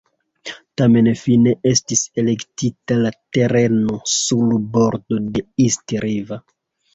Tamen fine estis elektita la tereno sur bordo de East River.